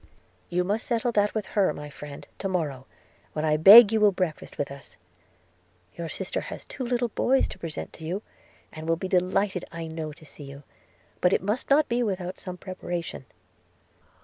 'You must settle that with her, my friend, to morrow, when I beg you will breakfast with us. Your sister has two little boys to present to you, and will be delighted I know to see you, but it must not be without some preparation.'